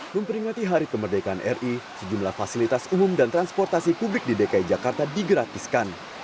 memperingati hari kemerdekaan ri sejumlah fasilitas umum dan transportasi publik di dki jakarta digratiskan